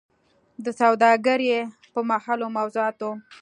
د سوداګرۍ په مهمو موضوعاتو